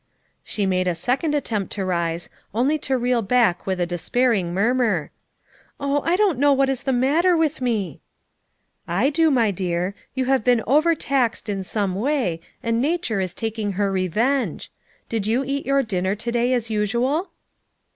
She made a second attempt to rise, only to reel back with a despairing murmur: "Oh, I don't know what is the matter with me." "I do, my dear; you have been over taxed in some way, and Nature is taking her re venge. Did you eat your dinner to day, as usual?"